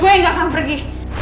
gue gak akan pergi